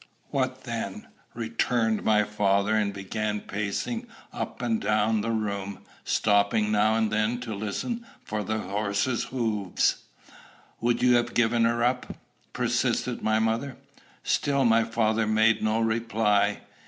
"What then?" returned my father, and began pacing up and down the room, stopping now and then to listen for the horses' hoofs. "Would you give her up?" persisted my mother. Still my father made no reply.